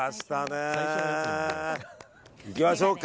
いきましょうか。